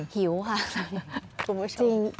หิวค่ะ